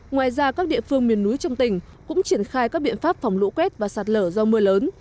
ngoài ra các địa phương miền núi trong tỉnh cũng triển khai các biện pháp phòng lũ quét và sạt lở do mưa lớn